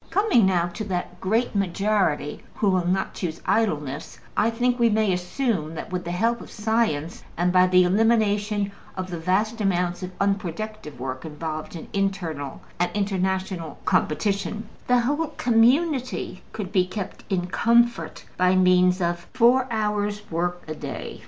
Coming now to that great majority who will not choose idleness, I think we may assume that, with the help of science, and by the elimination of the vast amount of unproductive work involved in internal and international competition, the whole community could be kept in comfort by means of four hours' work a day.